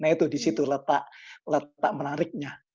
nah itu disitu letak menariknya